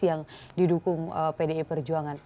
yang didukung pdi perjuangan